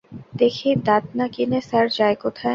দেখি দাঁত না কিনে স্যার যায় কোথায়।